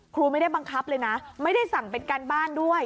ครูไม่ได้บังคับเลยนะไม่ได้สั่งเป็นการบ้านด้วย